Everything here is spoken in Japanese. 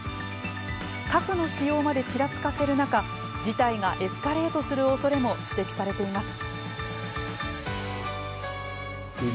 核の使用までちらつかせる中事態がエスカレートするおそれも指摘されています。